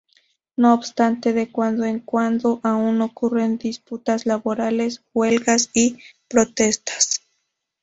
No obstante, de cuando en cuando aún ocurren disputas laborales, huelgas y protestas.